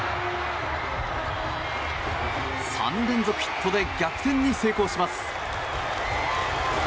３連続ヒットで逆転に成功します。